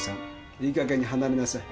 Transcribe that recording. いいかげんに離れなさい。